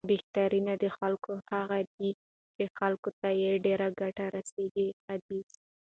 بهترین د خلکو هغه دی، چې خلکو ته یې ډېره ګټه رسېږي، حدیث